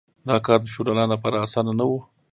دا کار د فیوډالانو لپاره اسانه نه و.